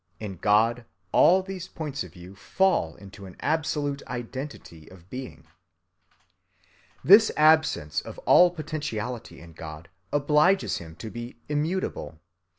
In God all these points of view fall into an absolute identity of being. This absence of all potentiality in God obliges Him to be immutable.